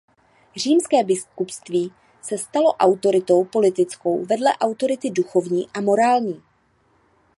Římské biskupství se stalo autoritou politickou vedle autority duchovní a morální.